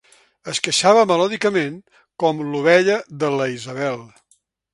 Es queixava melòdicament com l'ovella de la Isabel.